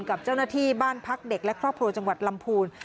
กับเจ้าหน้าที่บ้านพักเด็กและครอบครัวจังหวัดลำพูน